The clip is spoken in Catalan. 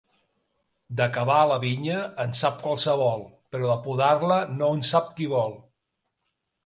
De cavar la vinya, en sap qualsevol, però podar-la no en sap qui vol.